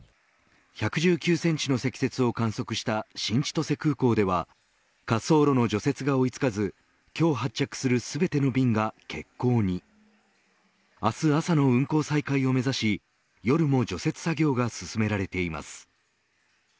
１１９センチの積雪を観測した新千歳空港では滑走路の除雪が追いつかず今日発着する全ての便が欠航に明日朝の運航再開を目指し夜も除雪作業が進められています。